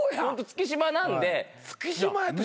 月島なんで。